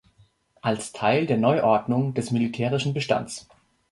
Als Teil der Neuordnung des militärischen Bestands.